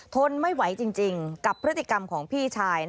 ทนไม่ไหวกับพระพระพระ